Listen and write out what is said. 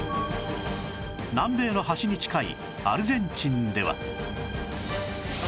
南米の端に近いアルゼンチンでは